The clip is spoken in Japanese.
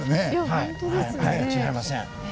はい違いません。